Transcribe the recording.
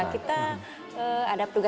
kita ada peluk